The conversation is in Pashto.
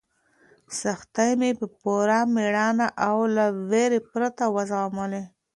سختۍ مې په پوره مېړانه او له وېرې پرته وزغملې.